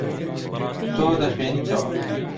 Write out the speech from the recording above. تۆ دەخوێنیتەوە.